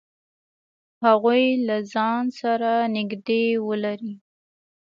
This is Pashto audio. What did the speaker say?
هغوی له ځان سره نږدې ولری.